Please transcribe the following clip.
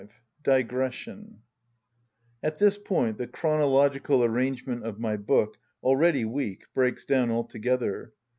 191 DIGRESSION At this point the chronological arrangement of my book, already weak, breaks down altogether.